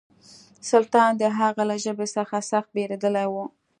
سلطان د هغه له ژبې څخه سخت بېرېدلی و.